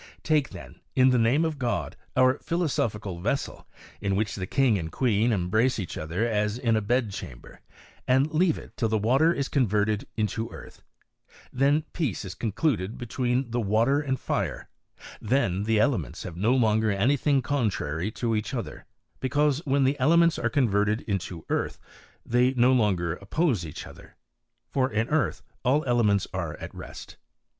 Take then, in the name of God, our philosophical ves sel, in which the king and qteen embrace each other as in a bedchamber, and leave it till the wStter is con verted into earth, then peace is concluded between the water and fire, then the elements have no longer anything contrary to each other; because, when the elements are converted into earth they no longer op pose each other ; for in earth all elements are at rest.